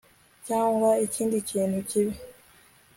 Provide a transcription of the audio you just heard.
Cyangwa ikindi kintu kibi